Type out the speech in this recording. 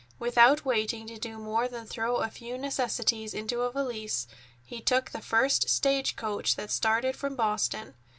Without waiting to do more than throw a few necessities into a valise, he took the first stage coach that started from Boston.